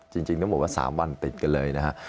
จริงต้องบอกว่า๓วันติดกันเลยนะฮะ